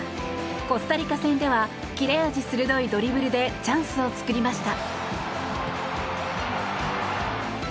コスタリカ戦では切れ味鋭いドリブルでチャンスを作りました。